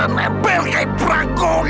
nebel kaya perangkong